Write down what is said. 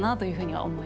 はい。